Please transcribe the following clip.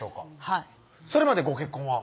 はいそれまでご結婚は？